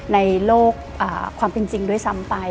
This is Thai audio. ในโลกความเป็นจริงด้วยซ้ำไป